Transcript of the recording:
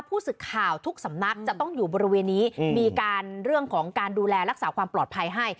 สึกข่าวทุกสำนักจะต้องอยู่บริเวณนี้มีการเรื่องของการดูแลรักษาความปลอดภัยให้